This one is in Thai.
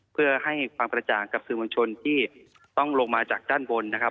เพื่อให้ความกระจ่างกับสื่อมวลชนที่ต้องลงมาจากด้านบนนะครับ